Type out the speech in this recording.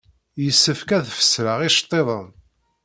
Yessefk ad fesreɣ iceḍḍiḍen.